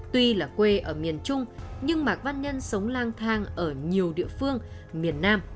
tuy là quê ở miền trung nhưng mạc văn nhân sống lang thang ở nhiều địa phương miền nam